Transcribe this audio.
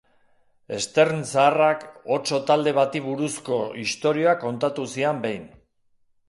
Stern zaharrak otso-talde bati buruzko istorioa kontatu zian behin.